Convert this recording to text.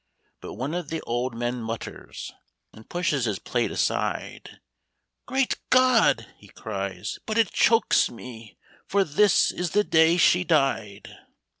But one of the old men mutters, And pushes his plate aside :" Great God !'* he cries ;" but it chokes me ! For this is the day she died."